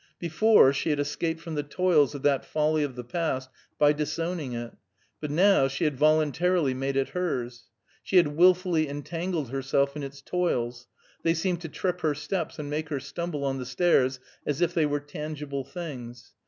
Before, she had escaped from the toils of that folly of the past by disowning it; but now, she had voluntarily made it hers. She had wilfully entangled herself in its toils; they seemed to trip her steps, and make her stumble on the stairs as if they were tangible things.